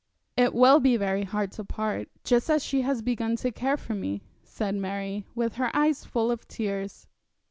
'It will be very hard to part, just as she has begun to care for me,' said Mary, with her eyes full of tears.